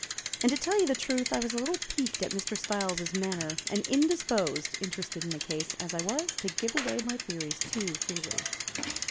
And, to tell you the truth, I was a little piqued at Mr. Styles' manner, and indisposed, interested in the case as I was, to give away my theories too freely.